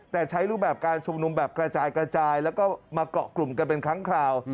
แต่ใช้รูปแบบการชุมนุมแบบกระจายกระจายแล้วก็มาเกาะกลุ่มกันเป็นครั้งคราว